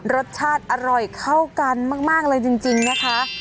รสชาติอร่อยเข้ากันมากเลยจริงนะคะ